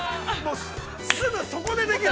すぐそこでできる。